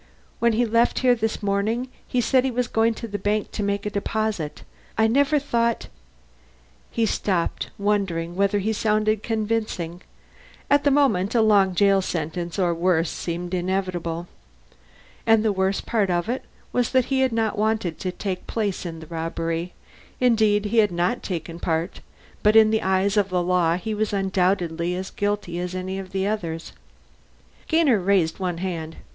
When he left here this morning, he said he was going to the bank to make a deposit. I never thought " He stopped, wondering whether he sounded convincing. At that moment a long jail sentence or worse seemed inevitable. And the worst part of it was that he had not wanted to take part in the robbery, indeed had not taken part but in the eyes of the law he was undoubtedly as guilty as any of the others. Gainer raised one hand.